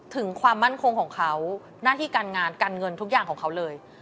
ถึงความมั่นคงของเขาหน้าที่การงานการเงินทุกอย่างของเขาเลย